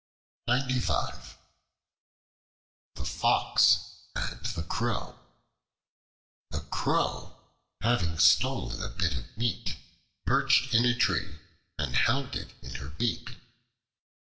The Fox and the Crow A CROW having stolen a bit of meat, perched in a tree and held it in her beak.